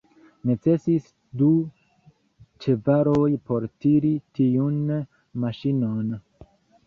Necesis du ĉevaloj por tiri tiun maŝinon.